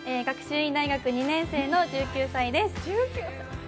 学習院大学２年生の１９歳です。